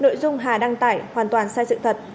nội dung hà đăng tải hoàn toàn sai sự thật